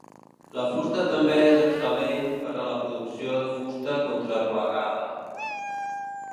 La fusta també és excel·lent per a la producció de fusta contraplacada.